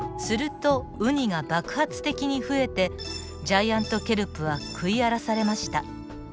するとウニが爆発的に増えてジャイアントケルプは食い荒らされました。